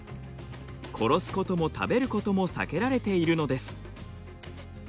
殺すことも食べることも避けられているのです。